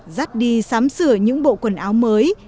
dắt đi sám sửa những bộ quần áo mới